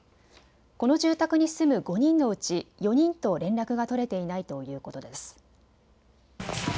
この住宅に住む５人のうち４人と連絡が取れていないということです。